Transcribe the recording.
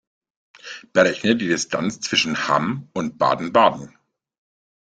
Berechne die Distanz zwischen Hamm und Baden-Baden